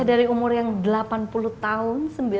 dari umur yang delapan puluh tahun